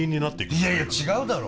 いやいや違うだろ！